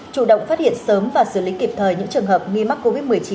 chủ động phát hiện sớm và xử lý kịp thời những trường hợp nghi mắc covid một mươi chín